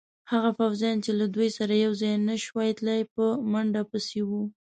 هغه پوځیان چې له دوی سره یوځای نه شوای تلای، په منډه پسې وو.